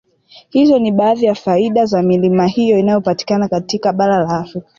Hizo ni baadhi ya faida za milima hiyo inayopatikana katika bara la Afrika